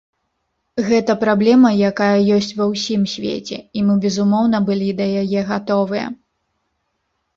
Гэта праблема, якая ёсць ва ўсім свеце, і мы безумоўна былі да яе гатовыя.